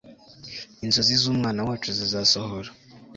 inzozi z'umwana wacu zizasohora